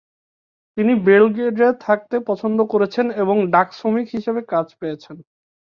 তিনি বেলগ্রেডে থাকতে পছন্দ করেছেন এবং ডাক শ্রমিক হিসাবে কাজ পেয়েছেন।